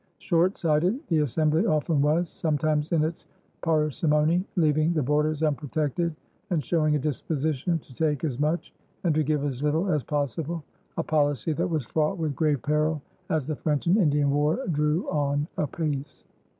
Short sighted the Assembly often was, sometimes in its parsimony leaving the borders unprotected and showing a disposition to take as much and to give as little as possible a policy that was fraught with grave peril as the French and Indian War drew on apace.